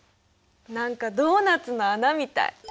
何かドーナツの穴みたい。